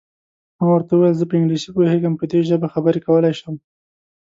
ما ورته وویل: زه په انګلیسي پوهېږم، په دې ژبه خبرې کولای شم.